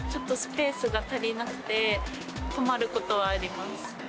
スペースが足りなくて困ることはあります。